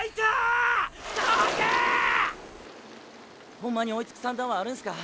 ホンマに追いつく算段はあるんすか。